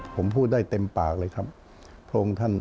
ผมพูดได้เต็มปากเลยครับ